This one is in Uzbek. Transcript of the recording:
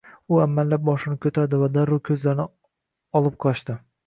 U amallab boshini koʻtardi va darrov koʻzlarini olib qochdi.